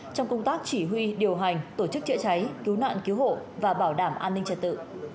trong công tác chỉ huy điều hành tổ chức chữa cháy cứu nạn cứu hộ và bảo đảm an ninh trật tự